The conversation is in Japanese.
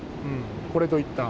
これといった。